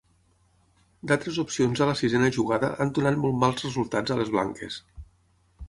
D'altres opcions a la sisena jugada han donat molt mals resultats a les blanques.